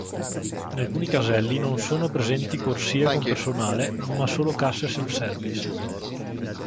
In alcuni caselli non sono presenti corsie con personale ma solo casse self-service.